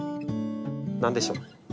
何でしょう？